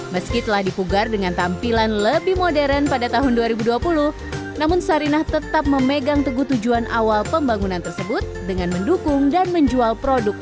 meski telah dipugar dengan tampilan lebih modern pada tahun dua ribu dua puluh namun sarinah tetap memegang teguh tujuan awal pembangunan tersebut dengan mendukung dan menjual produk